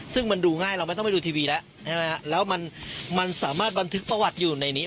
ซึ่งมันดูง่ายเราไม่ต้องไปดูทีวีแล้วใช่ไหมฮะแล้วมันสามารถบันทึกประวัติอยู่ในนี้